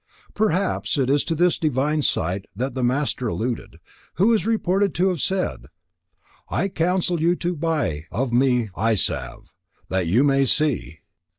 Perhaps it is to this divine sight that the Master alluded, who is reported to have said: "I counsel you to buy of me eye salve, that you may see."